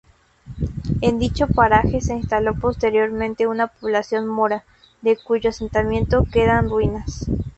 En dicho paraje se instaló posteriormente una población mora, de cuyo asentamiento quedan ruinas.